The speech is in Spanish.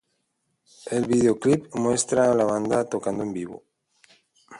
El videoclip muestra a la banda tocando en vivo.